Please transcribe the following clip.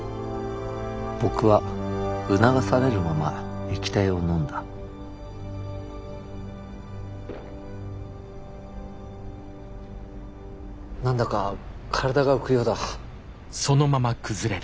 僕は促されるまま液体を飲んだ何だか体が浮くようだ。